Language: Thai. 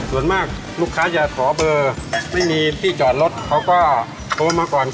ส่วนมากลูกค้าจะขอเบอร์ไม่มีที่จอดรถเขาก็โทรมาก่อน